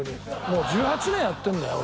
もう１８年やってんだよ